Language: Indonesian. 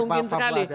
sangat mungkin sekali